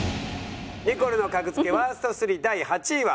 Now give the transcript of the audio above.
ニコルの格付けワースト３第８位は。